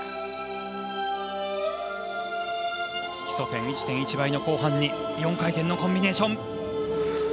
基礎点１．１倍の後半に４回転のコンビネーション。